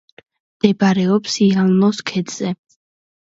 მდებარეობს იალნოს ქედზე.